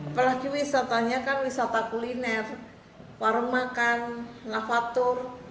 apalagi wisatanya kan wisata kuliner farmakan lavatur